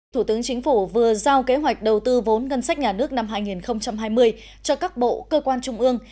thủ tướng chính phủ vừa giao kế hoạch đầu tư vốn ngân sách nhà nước năm hai nghìn hai mươi cho các bộ cơ quan trung ương